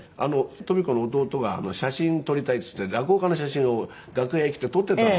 とみ子の弟が写真撮りたいっていって落語家の写真を楽屋へ来て撮ってたの。